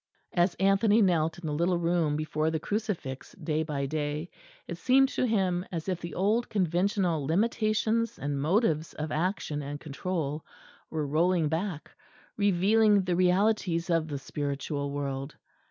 As Anthony knelt in the little room before the Crucifix day by day, it seemed to him as if the old conventional limitations and motives of action and control were rolling back, revealing the realities of the spiritual world.